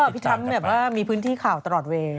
พี่ทัพแบบว่ามีพื้นที่ข่าวตลอดเวย์